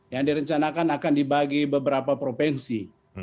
yang direncanakan akan dibagi beberapa provinsi